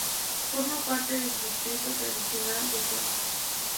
Forma parte del distrito tradicional de Sogn.